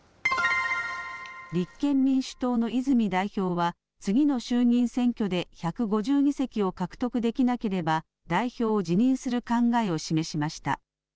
立憲民主党の泉代表は、次の衆議院選挙で１５０議席を獲得できなければ、代表を辞任する考えを示しました。